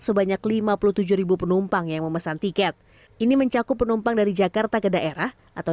sebanyak lima puluh tujuh penumpang yang memesan tiket ini mencakup penumpang dari jakarta ke daerah atau